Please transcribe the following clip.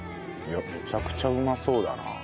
めちゃくちゃうまそうだな。